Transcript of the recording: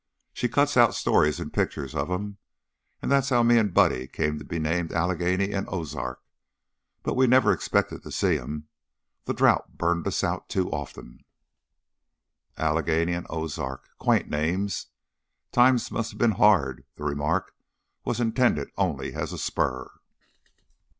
She cuts out stories and pictures of 'em. And that's how me and Buddy came to be named Allegheny and Ozark. But we never expected to see 'em. The drought burned us out too often." Allegheny and Ozark. Quaint names. "Times must have been hard." The remark was intended only as a spur.